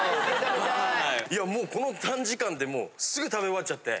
いやもうこの短時間でもうすぐ食べ終わっちゃって。